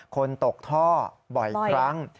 คนตกท่อบ่อยครั้ง